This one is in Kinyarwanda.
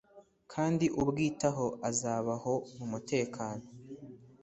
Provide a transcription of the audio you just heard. kandi ubwitaho azabaho mu mutekano